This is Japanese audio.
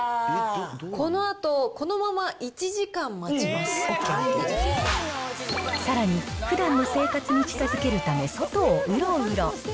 このあと、このまま１時間待さらに、ふだんの生活に近づけるため、外をうろうろ。